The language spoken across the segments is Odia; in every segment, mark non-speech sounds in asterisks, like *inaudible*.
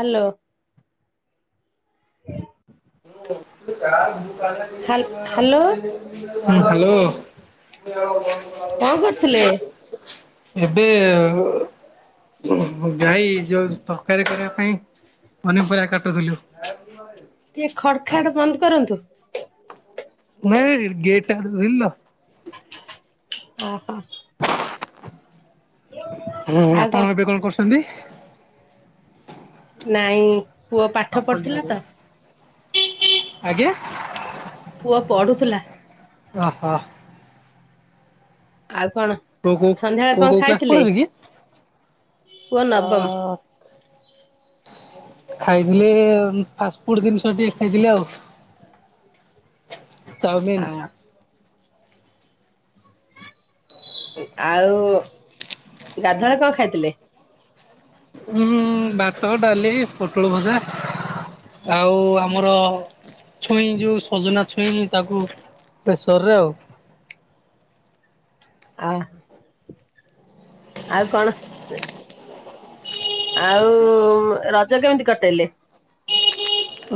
ହାଲୋ ହ୍ୟାଲୋ *unintelligible* କଣ କରୁଥିଲେ? *unintelligible* ଏବେ ଯାଇ, ଯୋଉ ତରକାରୀ କରିବା ପାଇଁ ପନିପରିବା କାଟୁଥିଲୁ। *unintelligible* ଟିକେ ଖଡ଼ ଖାଡ଼ ବନ୍ଦ କରନ୍ତୁ। ନାଇ ଗେଟଟା *unintelligible* ଓହୋ। ହୁଁ, ଆପଣ ଏବେ କଣ କରୁଚନ୍ତି? ନାଇଁ ପୁଅ ପାଠ ପଢୁଥିଲା ତ? ଆଜ୍ଞା। ପୁଅ ପଢୁଥିଲା। ଓହୋ। ଆଉ କଣ? ପୁଅ କୋଉ, ସନ୍ଧ୍ୟାବେଳେ ପୁଅ କଣ କୋଉ କ୍ଲାସ ଖାଇଥିଲେ ପଢ଼ୁଚିକି? ପୁଅ ନବମ *unintelligible* ଖାଇଥିଲେ, ଫାଷ୍ଟଫୁଡ ଜିନିଷ ଟିକେ ଖାଇଥିଲେ ଆଉ। ଚାଉମିିନ ଆଉ ଗାଧୁଆଳେ କଣ ଖାଇଥିଲେ? ହୁଁ, ଭାତ, ଡାଲି, ପୋଟଳ ଭଜା, ଆଉ ଆମର ଛୁଇଁ ଯୋଉ ସଜନା ଛୁଇଁନି, ତାକୁ ପ୍ରେସର ରେ ଆଉ ଆ ଆଉ କଣ? ଆଉ ରଜ କେମିତି କଟେଇଲେ?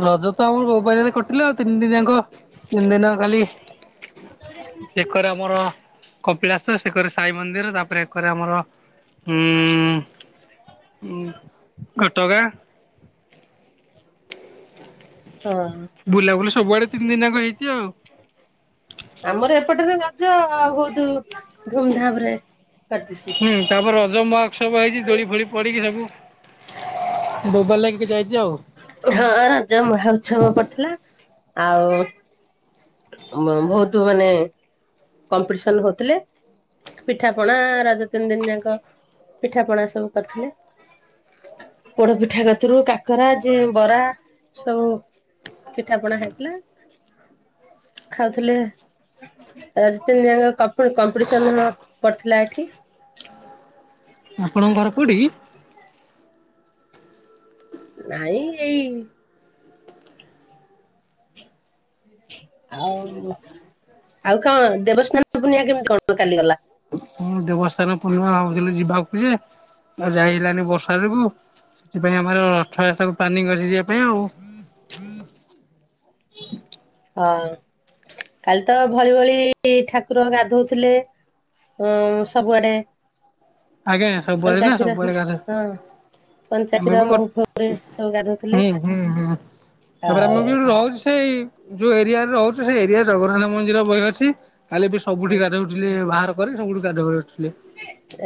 ରଜ ତ ଆମର ଗୋବାରରେ କଟିଲା, ତିନି ଦିନିଆଙ୍କ, ତିନି ଦିନ ଖାଲି ଚେ କରେ ଆମର କପିଳାସ, ସେକରେ ସାଇ ମନ୍ଦିର, ତାପରେ ଏକରେ ଆମର ଉଁ ଉଁ ହୁଁ ଘଟଗାଁ। *unintelligible* ହଁ। ବୁଲାବୁଲି ସବୁଆଡେ ତିନିିଆଙ୍କ ହେଇଚି ଆଉ। ଆମର ଏପଟରେ ରଜ, ବହୁତ ଧୁମଧାମ ରେ କଟିଚି। ହୁଁ ତାପରେ ରଜ ମହାଉତ୍ସବ ହେଇଚି, ଦୋଳି ଫୋଳି ପଡ଼ିକି ସବୁ ବୋବାଲ ଲାଗିକି ଯାଇଚି ଆଉ। ହଁ, ରଜ ମହାଉତ୍ସବ ପଡିଥିଲା, ଆଉ ଭଉତ ମାନେ କମ୍ପିଟିସନ ହଉଥିଲେ ପିଠା ପଣା, ରଜ ତିନି ଦିନ ଯାଙ୍କ, ପିଠା ପଣା ସବୁ କରିଥିଲେ। ପୋଡ ପିଠା ଗତିରୁ, କାକରା ଯି ବରା ସବୁ ପିଠା ପଣା ହେଇଥିଲା, ଖାଉଥିଲେ। ରଜ ତିନ ଦିନ ଯାଙ୍କ, କପି କମ୍ପିଟିସନ ପଡିଥିଲା ଏଠି। ଆପଣଙ୍କ ଘର କୋଉଠିକି? ନାଇଁ ଏଇ ଆଉ ଆଉ କଣ। ଦେବସ୍ନାନ ପୂର୍ଣ୍ଣିମା କେମିତି କଣ କାଲି ଗଲା। ଦେବସ୍ନାନ ପୂର୍ଣ୍ଣିମା ଭାବୁଥିଲି ଯିବାକୁ ଯେ। ଆଉ ଯାଇ ହେଲାନି ବର୍ଷା ଯୋଗୁ। ସେଥିପାଇଁ ଆମର ରଥ ଯାତ୍ରା କୁ ପ୍ଲାନିଂ କରିଚି ଯିବା ପାଇଁ ଆଉ। ହଁ। କାଲି ତ ଭଳି ଭଳି ଠାକୁର ଗାଧଉଥିଲେ। ଉଁ ସବୁଆଡେ। ଆଜ୍ଞା ସବୁଆଡେ କଞ୍ଚା ନା କ୍ଷୀର ହଁ ସବୁଆଡେ ଗାଧାନ୍ତି। କଞ୍ଚା ଆମେ କ୍ଷୀର ବି ହୁଁ ମହୁ ଫହୁରେ ସବୁ ଗାଧଉଥିଲେ ହୁଁ ହୁଁ। ତାପରେ ଆମେ ଆଉ ବି ଯୋଉଠି ରହୁଚୁ ସେଇ। ଯୋଉ ଏରିଆରେ ରହୁଚୁ ସେଇ ଏରିଆରେ ଜଗନ୍ନାଥ ମନ୍ଦିର ବହେ ଅଛି। କାଲି ବି ସବୁଠି ଗାଧଉ। ଥିଲେ ବାହାର କରି ସବୁଠୁ ଗାଧଉଥିଲେ।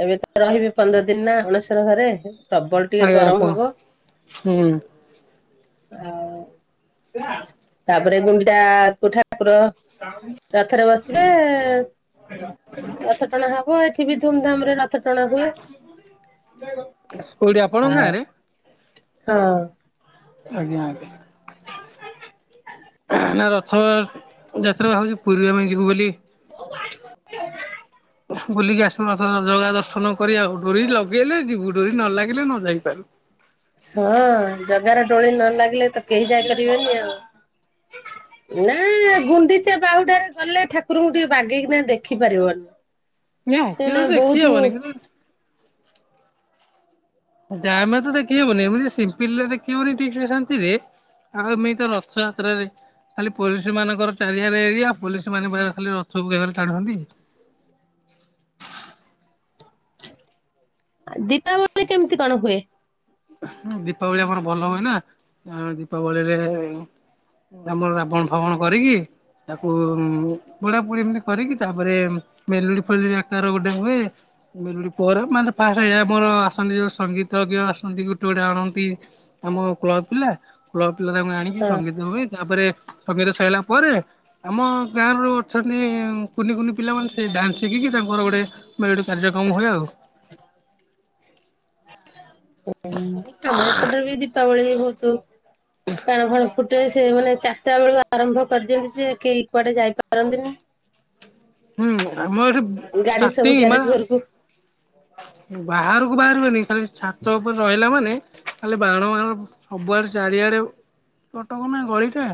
ଏବେ ତ ରହିବେ ପନ୍ଦର ଦିନ ନା ଅଣେଶର ଘରେ। ପ୍ରବଳ ଟିକେ ଆଜ୍ଞା ଆପଣ ଗରମ ହବ ହୁଁ। ଆଉ। ତାପରେ ଗୁଣ୍ଡିଚାକୁ ଠାକୁର। ରଥରେ ବସିବେ ରଥ ଟଣା ହବ ଏଠି। ଏଠି ବି ଧୁମଧାମ ରେ ରଥ ଟଣା ହୁଏ। କୋଉଠି ଆପଣଙ୍କ ଆଉ ଗାଁରେ। ହଁ। ଆଜ୍ଞା ଆଜ୍ଞା। ନା ରଥ ଯାତ୍ରା ହଉଚି ପୁରୀ ଆମେ ଯିବୁ ବୋଲି। ବୁଲିକି ଆସୁ ଜଗା ଦର୍ଶନ କରି ଆଉ ଡୋରି ଲଗେଇଲେ ଯିବୁ ଡୋରି ନ ଲାଗିଲେ ନ ଯାଇପାରୁ। ହଁ ଜଗାର ଡୋରି ନ ଲାଗିଲେ ତ କେହି ଯାଇ ପାରିବେନି ଆଉ। ନାଁ ଗୁଣ୍ଡିଚା ବାହୁଡାରେ ଗଲେ ଠାକୁରଙ୍କୁ ଟିକେ ବାଗେଇକିନା ଦେଖି ପାରିବନି। ନିହାତି ନାଇଁ ନାଇଁ ବହୁତୁ। ଦେଖିହବନି କିନ୍ତୁ ଜାମ୍ ରେ ତ ଦେଖି ହବନି। ଏମିତି ସିମ୍ପିଲରେ ଦେଖି ହଉନି ଠିକ ସେ ଶାନ୍ତି ରେ। ଆଉ ଏମିତି ତ ରଥଯାତ୍ରାରେ। ଖାଲି ପୋଲିସ ମାନଙ୍କର ଚାରିଆରେ ଏରିଆ ପୋଲିସ ମାନେ ଖାଲି ରଥକୁ ଟାଣୁଚନ୍ତି। ଦୀପାବଳି କେମତି କଣ ହୁଏ। ଦୀପାବଳି ଆମର ଭଲ ହୁଏ ନା ଦୀପାବଳିରେ। ଆମର ରାବଣ ଫାବଣ କରିକି। ତାକୁ ପୁଡ଼ା ପୁଡ଼ି ଇମତି କରିକି ତାପରେ। ମେଲୁଡି ଫେଲୁଡ଼ି ଆକାର ଗୋଟେ ହୁଏ। ମେଲୋଡି ପରେ ମାନେ ଫାଷ୍ଟ ଯୋଉ ମୋର ଆସନ୍ତି ଯୋଉ ସଙ୍ଗୀତଜ୍ଞ। ଗୁଟେ ଗୁଟେ ଆଣନ୍ତି ଆମ କ୍ଲବ ପିଲା କ୍ଲବ ପିଲା ତାଙ୍କୁ। ଆଣିକି ହଁ ସଙ୍ଗୀତ ହୁଏ ତାପରେ ସଙ୍ଗୀତ ସଇଲା ପରେ ଆମ ଗାଁରୁ ଅଛନ୍ତି। କୁନି କୁନି ପିଲାମାନେ ସେ ଡ୍ୟାନ୍ସ ଶିଖିକି ତାଙ୍କର ଗୋଟେ ମେଲୋଡ଼ି କାର୍ଯ୍ୟକ୍ରମ ହୁଏ ଆଉ। ଆମ ଏପଟବି ଦିପାବଳି ବହୁତୁ। ବାଣ ଫଣ ଫୁଟେ ସେ ମାନେ ଚାରିଟା ବେଳକୁ ଆରମ୍ଭ କରିଦିଅନ୍ତି ଯେ କେହି କୁଆଡେ ଯାଇପାରନ୍ତିନି। ହୁଁ ଆମର ଗାଡି ସବୁ ଷ୍ଟାର୍ଟିଂ ମା। ଗ୍ୟାରେଜ ଘରକୁ ବାହାରକୁ ବାହାରିବେନି ଖାଲି ଛାତ ଉପରେ ରହିଲା ମାନେ ଖାଲି ବାଣ ବାଣ। ସବୁଆଡେ ଚାରିଆଡେ। କଟକ ନାଁ ଗଳିଟା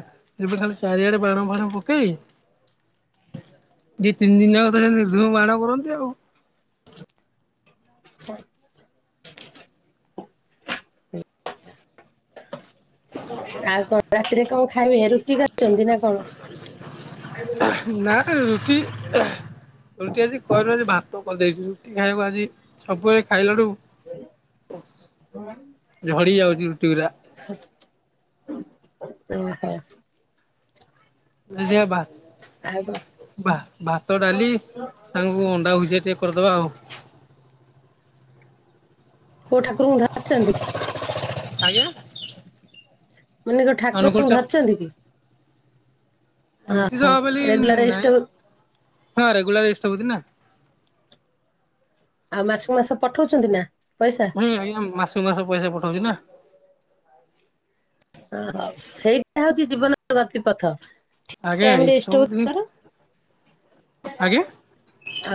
ଏବେ ଖାଲି ଚାରିଆଡେ ବାଣ ଫାଣ ପକେଇ। ଯିଏ ତିନି ଦିନ ଯାକ ବାଣ କରନ୍ତି ଆଉ। ଆଉ କଣ ରାତିରେ କଣ ଖାଇବେ ରୁଟି ଖାଉଛନ୍ତି ନା କଣ? ନା ନା ରୁଟି ରୁଟି ଆଜି କହିଲୁ ଆଜି ଭାତ କରିଦେଇଛି ରୁଟି ଖାଇବାକୁ ଆଜି ସବୁବେଳେ ଖାଇଲାଠୁ ଝଡି ଯାଉଛି ରୁଟି ଗୁଡା। *inaudible* *unintelligible* ଆଇ ମା। ଭାତ ଡାଲି ସାଙ୍ଗକୁ ଅଣ୍ଡା ଭୁଜିଆ ଟିକେ କରିଦବା ଆଉ। କୋଉ ଠାକୁରଙ୍କୁ ଧରିଛନ୍ତି? ଆଜ୍ଞା। ମାନେ କଣ ଅନୁକୂଳ ଠାକୁରଙ୍କୁ ଚ ଧରିଛନ୍ତି କି? ହଁ ରେଗୁଲାର ଇଷ୍ଟ *unintelligible* ରେଗୁଲାର *unintelligible* ନା। ଆଉ ମାସକୁ ମାସ ପଠଉଛନ୍ତି ନା ପଇସା। ହୁଁ ହୁଁ ମାସକୁ ମାସ ପଇସା ପଠଉଛି ନା। ଓହୋ ସେଇଟା ହଉଛି ଜୀବନର ଗତିପଥ। ଆଜ୍ଞା ସବୁଦିନ *inaudible* ଆଜ୍ଞା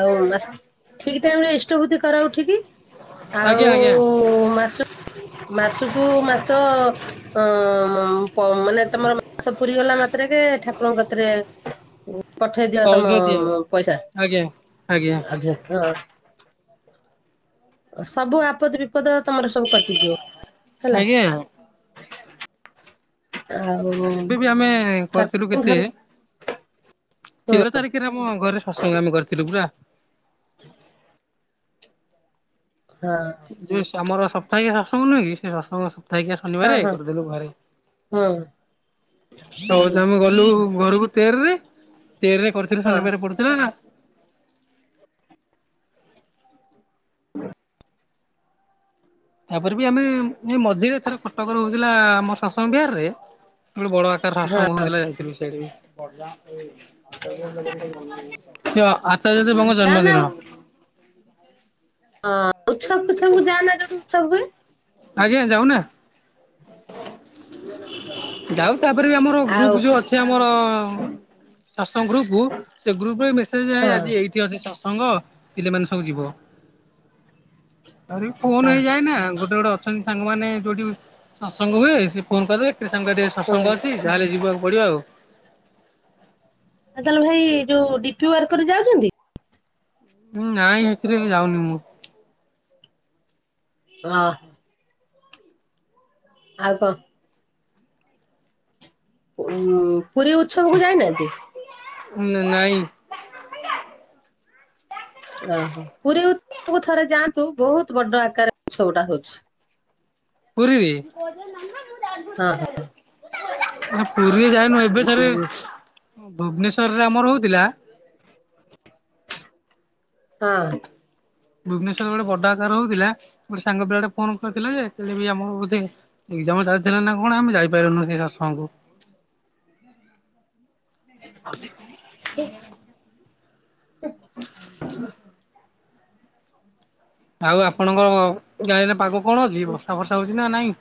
ଆଉ ଠିକ ଟାଇମରେ ଇଷ୍ଟବୁଦ୍ଧି କରା ଉଠିକି। ଆଜ୍ଞା ଆଉ ଆଜ୍ଞା ମାସ ମାସକୁ ମାସ ହଁ ମାନେ ତମର ମାସ ପୁରୀ ଗଲା ମାତ୍ରେକେ ଠାକୁରଙ୍କ କତିରେ ପଠେଇଦିଅ ତମ ଅର୍ଘ୍ୟ ଦିଆ ହୁଏ। ପଇସା। ଆଜ୍ଞା ଆଜ୍ଞା ହଁ। ସବୁ ଆପଦ ବିପଦ ତମର ସବୁ କଟିଯିବ ହେଲା। ଆଜ୍ଞା ଆଉ ଏବେ ବି ଆମେ କରିଥିଲୁ ଠାକୁରଙ୍କୁ କେତେ ଧରି ହଁ ତେର ତାରିଖରେ ଆମ ଘରେ ଶତସଙ୍ଗ ଆମେ କରିଥିଲୁ ପରା। ହଁ। ଯଉଁ ଆମର ସପ୍ତାହିକ ଶସଙ୍ଗ ନୁହେ କି ସେ ଶସଙ୍ଗ। *unintelligible* ହଁ ଶନିବାର ହଁ କରିଦେଲୁ ଘରେ ହଁ ତ ହଉଛି ଆମେ ଗଲୁ ଘରକୁ ତେରରେ ତେରରେ କରିଥିଲେ ହଁ ଶନିବାର ପଡୁଥିଲା। ହ ତାପରେ ବି ଆମେ ଏ ମଝିରେ ଏଥର କଟକ ହଉଥିଲା ଆମ ସସଙ୍ଗ ବିହାରରେ ଗୋଟେ ବଡ ଆକାର ସସଙ୍ଗ ହଁ ହଉଥିଲା ଯାଇଥିଲି ସେଠିକି। *unintelligible* *unintelligible* ଦେବଙ୍କ ଯା ନା ଜନ୍ମଦିନ। ହଁ *unintelligible* ଉଛବ ହୁଏ। ଆଜ୍ଞା ଯାଉନା। ଯାଉ ତାପରେ ବି ଆମର ଆଉ ଗ୍ରୁପ୍ ଯେଉଁ ଅଛି ଆମର ଶସଙ୍ଗ ଗ୍ରୁପ୍ ସେ ଗ୍ରୁପରେ ମେସେଜ ହଁ ଆଜି ଏଇଠି ଅଛି ସତ୍ସଙ୍ଗ ପିଲାମାନେ ସବୁ ଯିବ। ଆରେ ହଁ ଫୋନ ହଁ ହେଇଯାଏ ନା ଗୋଟେ ଗୋଟେ ଅଛନ୍ତି ସାଙ୍ଗ ମାନେ ଯୋଉଠି ସତ୍ସଙ୍ଗ ହୁଏ। ସେ ଫୋନ କରିଦେବେ ଏ ସାଙ୍ଗ ଏଠି ଆଜି ଆଉ ସତ୍ସଙ୍ଗ ଅଛି। ତାହେଲେ ଯିବାକୁ ପଡ଼ିବ ଆଉ। ଆ ତାହେଲେ ଭାଇ ଯୋଉ ଡିପି ୱାର୍କରେ ଯାଉଛନ୍ତି। ହୁଁ ନାଁ ନାଁ ସେଥିରେ ଯାଉନି ମୁଁ। ହଁ ଆଉ କଣ। ପୁରୀ ଉତ୍ସବକୁ ଯାଇନାହାନ୍ତି। ନାଇଁ। ଓହୋ ପୁରୀ *unintelligible* ଥରେ ଯାଆନ୍ତୁ ବହୁତ ବଡ ଆକାରରେ ଉତ୍ସବ ଟା ହଉଛି। ପୁରୀରେ? ହଁ ହଁ। ପୁରୀରେ ଯାଏନୁ ଏବେ ଥରେ ହଁ ଉଁ, ଭୁବନେଶ୍ଵରରେ ଆମର ହଉଥିଲା। *inaudible* ହଁ। ଭୁବନେଶ୍ୱଵର ଗୋଟେ ବଡା ଆର ହଉଥିଲା ଗୋଟେ ସାଙ୍ଗ ପିଲାେ ଫୋନ କରିଥିଲା ଯେଲେ ବି ଆମର ବୋଧେ ଏଜାମ ଚାଲିଥିଲା ନା କଣ ଆମେ ଯାଇପାରିଲୁନି ସେ ସତସଙ୍ଗକୁ। *unintelligible* ଆଉ ଆପଣଙ୍କ ଗାଁରେ ପାଗ କଣ ଅଛି ବର୍ଷା ବର୍ଷା ହଉଛି ନା ନାଇଁ?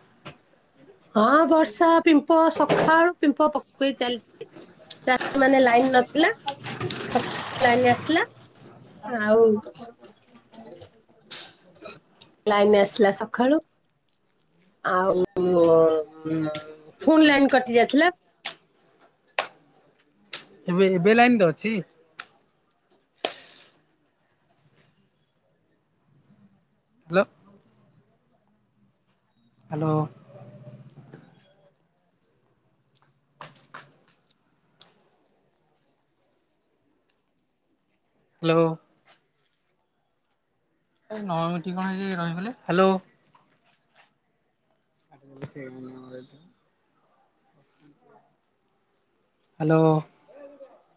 ହଁ ବର୍ଷା ପିମ୍ପ ସକାଳୁ ପିମ୍ପ ପକେଇ ଚାଲିଛି। ରାତିମାନ ଲାଇନ ନଥିଲା ସଖାଳେ ଲାଇନ ଆସିଲା। ଆଉ ଲାଇନ ଆସିଲା ସକାଳୁ। ଆଉ ଫୁନ୍ ଲାଇନ୍ କଟି ଯାଇଥିଲା। ଏବେ ଏବେ ଲାଇନ ତ ଅଛି। ହ୍ୟାଲୋ ହ୍ୟାଲୋ ହ୍ୟାଲୋ ନ ମିନିଟ କଣ ରହିଗଲେ ହ୍ୟାଲୋ *unintelligible* *unintelligible* ହ୍ୟାଲୋ